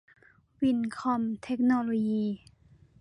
วินท์คอม เทคโนโลยี